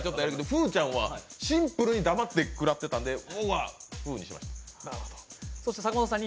フーちゃんはシンプルにだまって食らってたんでフーにしました。